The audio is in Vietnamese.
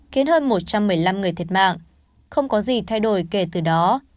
khiến hơn một trăm một mươi năm người thiệt mạng không có gì thay đổi kể từ đó